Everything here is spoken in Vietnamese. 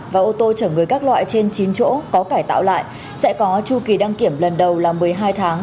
và ô tô chở người các loại trên chín chỗ có cải tạo lại sẽ có chu kỳ đăng kiểm lần đầu là một mươi hai tháng